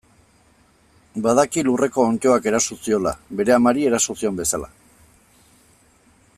Badaki lurreko onddoak eraso ziola, bere amari eraso zion bezala.